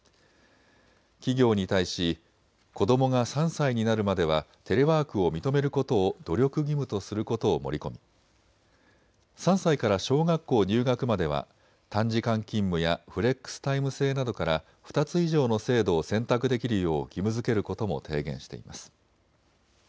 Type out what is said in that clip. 企業に対し子どもが３歳になるまではテレワークを認めることを努力義務とすることを盛り込み３歳から小学校入学までは短時間勤務やフレックスタイム制などから２つ以上の制度を選択できるよう義務づけることも提言しています。